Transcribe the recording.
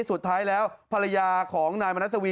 สุดท้ายแล้วภรรยาของนายมนัสวี